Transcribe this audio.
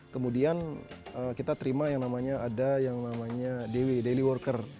kemudian kita terima yang namanya ada yang namanya dw daily worker